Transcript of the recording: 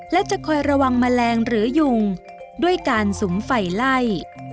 และจะคอยระวังแมลงหรือยุงด้วยการสุมไฟไล่